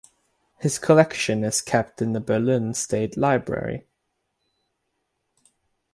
His collection is kept in the Berlin State Library.